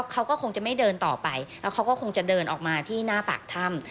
เขาก็คงจะไม่เดินต่อไปแล้วเขาก็คงจะเดินออกมาที่หน้าปากถ้ำ